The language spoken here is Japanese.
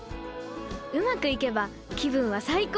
うまくいけば気分は最高です！